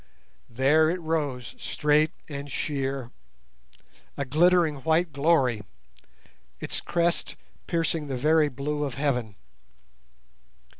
There it rose straight and sheer—a glittering white glory, its crest piercing the very blue of heaven.